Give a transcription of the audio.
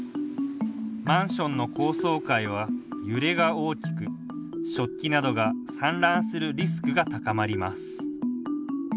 マンションの高層階は揺れが大きく食器などが散乱するリスクが高まります。